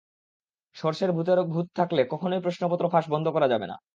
সরষের ভেতরে ভূত থাকলে কখনোই প্রশ্নপত্র ফাঁস বন্ধ করা যাবে না।